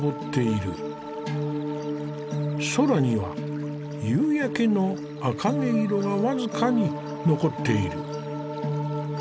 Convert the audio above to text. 空には夕焼けの茜色が僅かに残っている。